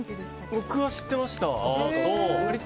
僕は知ってました。